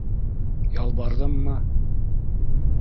Ялбарҙыммы?